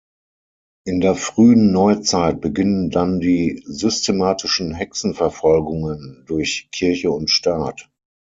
In der frühen Neuzeit beginnen dann die systematischen Hexenverfolgungen durch Kirche und Staat.